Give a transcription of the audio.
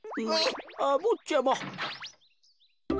あっぼっちゃま。